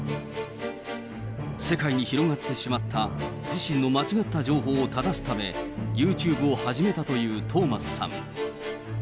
世界に広がってしまった自身の間違った情報を正すため、ユーチューブを始めたというトーマスさん。